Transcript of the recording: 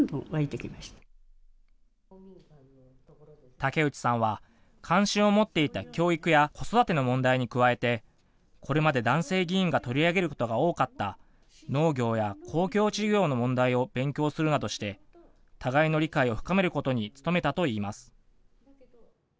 竹内さんは関心を持っていた教育や子育ての問題に加えてこれまで男性議員が取り上げることが多かった農業や公共事業の問題を勉強するなどして互いの理解を深めることに努めたといいます。